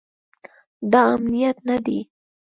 دا امنیت نه دی